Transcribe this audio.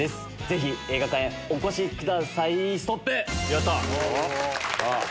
ぜひ映画館へお越しくださいストップ！